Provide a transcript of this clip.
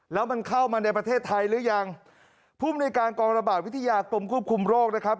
แล้วมันเข้ามาในประเทศไทยหรือยังภูมิในการกองระบาดวิทยากรมควบคุมโรคนะครับ